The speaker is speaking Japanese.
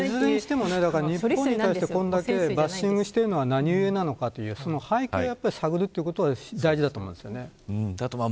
いずれにしても日本に対してこれだけバッシングしてるのは何故なのかという背景を探ることが大事だと思います。